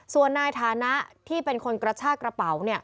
ส่วนนายฐานะที่เป็นคนกระชากระเป๋า